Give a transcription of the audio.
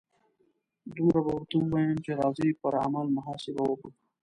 دومره به ورته ووایم چې راځئ پر عمل محاسبه وکړو.